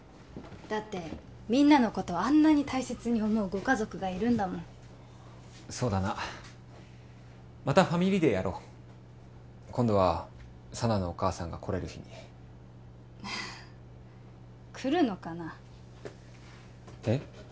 だってみんなのことあんなに大切に思うご家族がいるんだもんそうだなまたファミリーデーやろう今度は佐奈のお母さんが来れる日に来るのかなえっ？